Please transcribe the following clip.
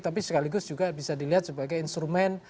tapi sekaligus juga bisa dilihat sebagai instrumen